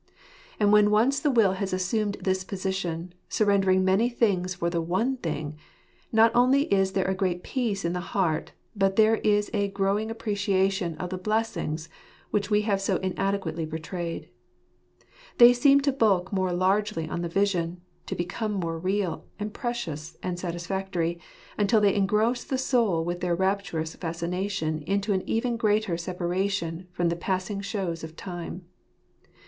And when once the will has assumed this position, surrendering many things for the one thing — not only is there a great peace in the heart, but there is a growing appreciation of the blessings which we have so inadequately portrayed. They seem to bulk more largely on the vision 3 to become more real, and precious, and satisfactory ; until they engross the soul with their rapturous fascination into an even greater separation from the passing shows of time.